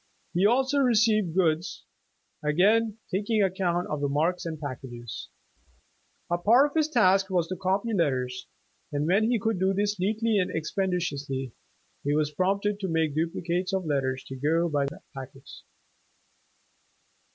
He also received goods, again taking ac count of the marks and packages. A part of his task was to copy letters, and when he could do this neatly and expeditiously, he was promoted to making dupli cates of letters to go by the packets.